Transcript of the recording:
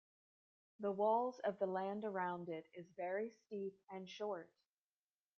The walls of the land around it is very steep and short.